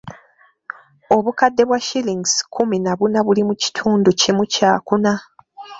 Obukadde bwa shillings kkumi na buna buli mu kitundu kimu kya kuna.